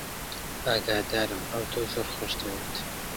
ئاگادارم ئەو تۆی زۆر خۆش دەوێت.